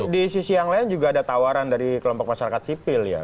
di sisi yang lain juga ada tawaran dari kelompok masyarakat sipil ya